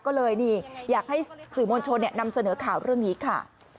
ก็เลยนี่อยากให้สื่อมวลชนนำเสนอข่าวเรื่องนี้ค่ะ